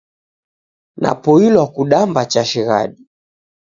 Napoilwa kudamba cha shighadi